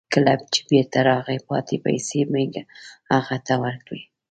کله چې بیرته راغی، پاتې پیسې مې هغه ته ورکړې.